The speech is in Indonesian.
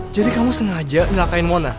jadi kamu sengaja ngakain mona